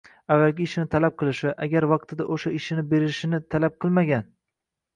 avvalgi ishini talab qilishi, agar vaqtida o‘sha ishini berilishini talab qilmagan